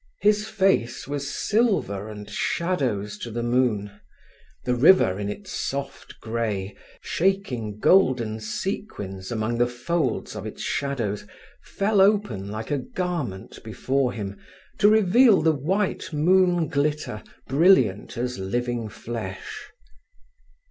His face was silver and shadows to the moon; the river, in its soft grey, shaking golden sequins among the folds of its shadows, fell open like a garment before him, to reveal the white moon glitter brilliant as living flesh.